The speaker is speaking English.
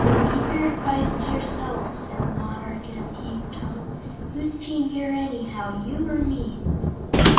"Keep your advice to yourself," said the monarch, in a peeved tone. "Who's King here, anyhow? You or Me?"